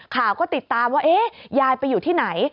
ข่าวก็ติดตามว่ายายไปอยู่ที่ไหน